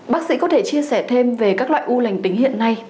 bác sĩ có thể chia sẻ thêm về các loại u lành tính hiện nay